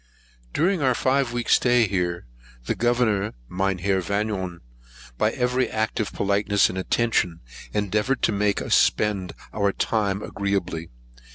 During our five weeks stay here, the Governor, Mynheer Vanion, by every act of politeness and attention endeavoured to make us spend our time agreeably.